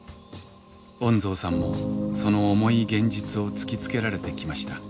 恩蔵さんもその重い現実を突きつけられてきました。